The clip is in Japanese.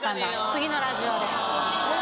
次のラジオで。